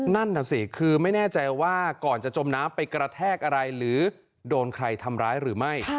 นั่นน่ะสิคือไม่แน่ใจว่าก่อนจะจมน้ำไปกระแทกอะไรหรือโดนใครทำร้ายหรือไม่